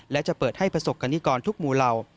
และจะเปิดให้ประสบกรณิกรทุกหมู่เหล่า